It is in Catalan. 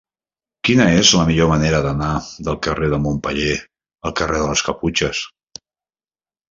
Quina és la millor manera d'anar del carrer de Montpeller al carrer de les Caputxes?